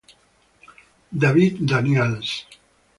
David Daniels